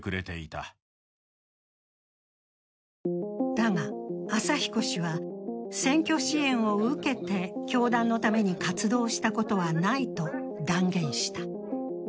だが、朝彦氏は、選挙支援を受けて教団のために活動したことはないと断言した。